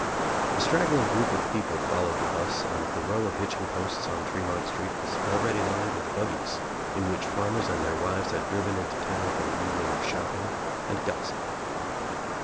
A straggling group of people followed the bus and the row of hitching posts on Tremont Street was already lined with buggies In which farmers and their wives had driven into town for the evening of shop* ping and gossip.